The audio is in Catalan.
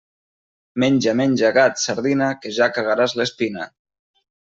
Menja, menja, gat, sardina, que ja cagaràs l'espina.